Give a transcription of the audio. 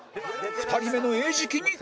２人目の餌食に！